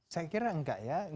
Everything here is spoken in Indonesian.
saya kira enggak ya